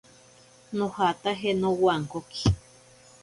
Nojataje nowankoki.